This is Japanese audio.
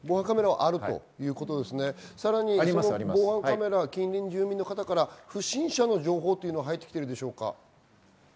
さらに防犯カメラ、住民の方から不審者の情報は入ってきていますか？